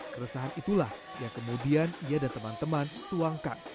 keresahan itulah yang kemudian ia dan teman teman tuangkan